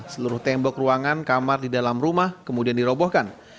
seluruh tembok ruangan kamar di dalam rumah kemudian dirobohkan